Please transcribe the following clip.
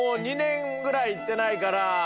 ２年ぐらい行ってないから。